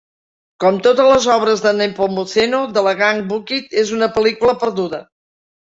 Com totes les obres de Nepomuceno, "Dalagang Bukid" és una pel·lícula perduda.